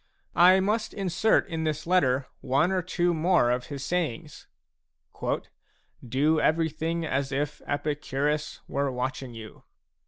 I must insert in this letter one or two more of his sayings : a "Do everything as if Epicurus were watching you."